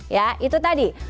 ya itu tadi